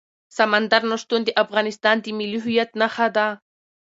سمندر نه شتون د افغانستان د ملي هویت نښه ده.